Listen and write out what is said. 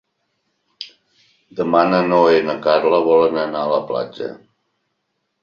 Demà na Noa i na Carla volen anar a la platja.